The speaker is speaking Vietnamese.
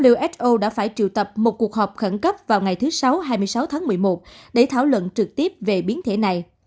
who đã phải triệu tập một cuộc họp khẩn cấp vào ngày thứ sáu hai mươi sáu tháng một mươi một để thảo luận trực tiếp về biến thể này